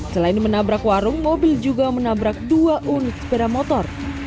selain menabrak warung mobil juga menabrak dua unit sepeda motor